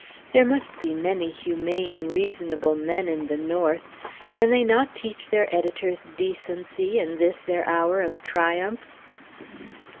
There must be many humane, reasonable men in the North; can they not teach their editors decency in this their hour of triumph?